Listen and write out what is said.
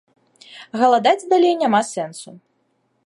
Галадаць далей няма сэнсу.